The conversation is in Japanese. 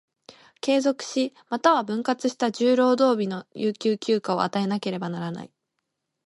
継続し、又は分割した十労働日の有給休暇を与えなければならない。